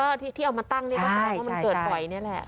ก็ที่ที่เอามาตั้งเนี้ยใช่ใช่มันเกิดปล่อยเนี้ยแหละ